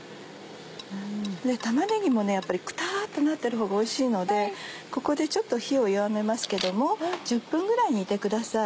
玉ねぎもやっぱりクタっとなってるほうがおいしいのでここでちょっと火を弱めますけども１０分ぐらい煮てください。